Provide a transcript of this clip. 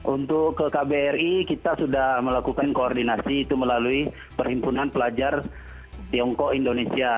untuk ke kbri kita sudah melakukan koordinasi itu melalui perhimpunan pelajar tiongkok indonesia